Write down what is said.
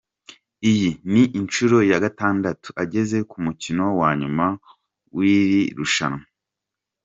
Iyi ni inshuro ya gatandatu ageze ku mukino wa nyuma w’iri rushanwa.